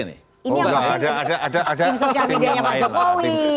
ini yang posting tim sosial media pak jokowi